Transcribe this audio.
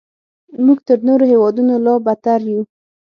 موږ تر نورو هیوادونو لا بدتر یو.